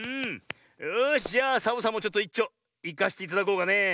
よしじゃあサボさんもちょっといっちょいかせていただこうかねえ。